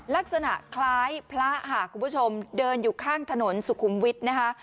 ลักษณะคล้ายพระค่ะคุณผู้ชมเดินอยู่ข้างถนนสุขุมวิทย์นะคะ